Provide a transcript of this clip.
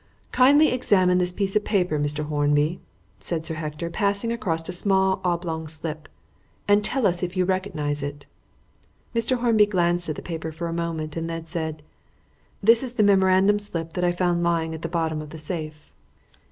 "Kindly examine this piece of paper, Mr. Hornby," said Sir Hector, passing across a small oblong slip, "and tell us if you recognise it." Mr. Hornby glanced at the paper for a moment, and then said "This is the memorandum slip that I found lying at the bottom of the safe."